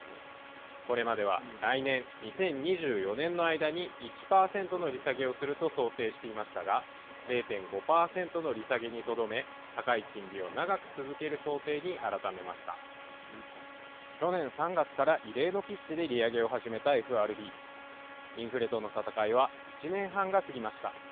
これまでは来年２０２４年の間に１％の利下げをすると想定していましたが０．５％の利下げにとどめ高い金利を長く続ける想定に改めました去年３月から異例のピッチで利上げを始めたＦＲＢインフレとの戦いは１年半が過ぎました